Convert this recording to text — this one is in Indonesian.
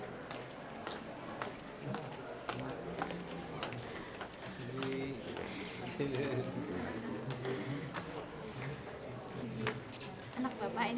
ini anak bapak ini